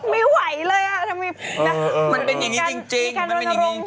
ไม่ไหวเลยอ่ะมันเป็นอย่างนี้จริง